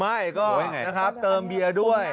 ไม่ก็เติมเบียร์ด้วย